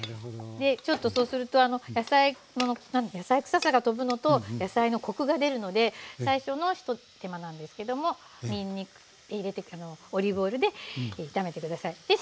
でちょっとそうすると野菜くささが飛ぶのと野菜のコクが出るので最初の一手間なんですけどもにんにく入れてオリーブオイルで炒めて下さい。